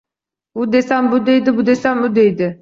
U desam bu deydi, bu desam u deydi…